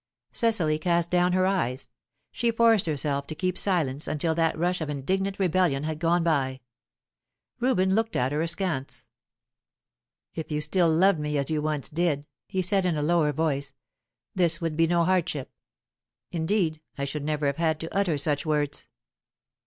Cecily cast down her eyes. She forced herself to keep silence until that rush of indignant rebellion had gone by. Reuben looked at her askance. "If you still loved me as you once did," he said, in a lower voice, "this would be no hardship. Indeed, I should never have had to utter such words."